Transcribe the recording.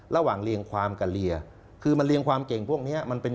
ระหว่างเรียงความกับเรีย